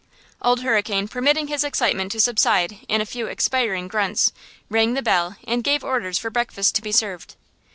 Old Hurricane, permitting his excitement to subside in a few expiring grunts, rang the bell and gave orders for breakfast to be served.